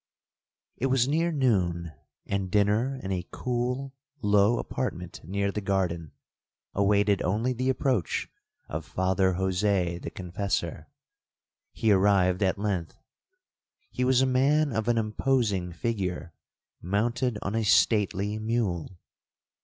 'It was near noon, and dinner in a cool low apartment near the garden awaited only the approach of Father Jose, the confessor. He arrived at length. He was a man of an imposing figure, mounted on a stately mule.